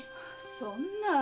そんな。